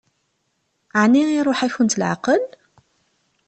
Ɛni iṛuḥ-akent leɛqel?